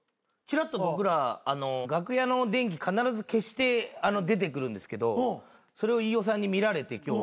僕ら楽屋の電気必ず消して出てくるんですけどそれを飯尾さんに見られて今日。